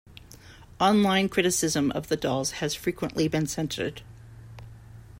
Online criticism of the dolls has frequently been censored.